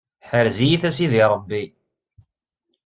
Ḥrez-iyi-t a sidi Ṛebbi.